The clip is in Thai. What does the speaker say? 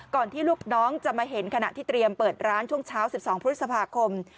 ที่ลูกน้องจะมาเห็นขณะที่เตรียมเปิดร้านช่วงเช้า๑๒พฤษภาคม